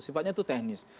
sifatnya itu teknis